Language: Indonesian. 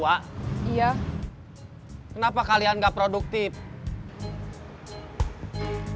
kayanya tapi ada siapa yang dib interacting